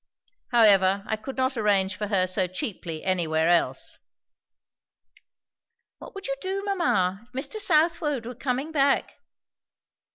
However, I could not arrange for her so cheaply anywhere else." "What would you do, mamma, if Mr. Southwode were coming back?"